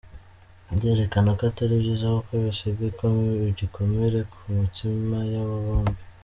Nderekana ko atari byiza kuko bisiga igikomere ku mitima yabo bombi.